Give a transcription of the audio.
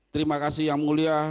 terima kasih yang mulia